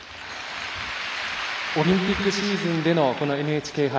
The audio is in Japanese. オリンピックシーズンでのこのＮＨＫ杯。